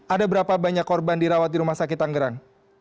ada berapa banyak korban dirawat di rumah sakit tanggerang